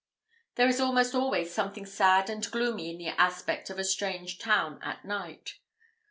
There is almost always something sad and gloomy in the aspect of a strange town at night.